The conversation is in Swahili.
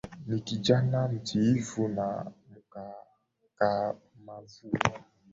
ni kijana mtiifu na mkakamavu